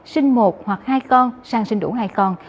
sinh một hoặc hai con sang sinh đủ hai con